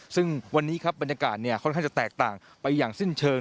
ซึ่งวันนี้ครับบรรยากาศค่อนข้างจะแตกต่างไปอย่างสิ้นเชิง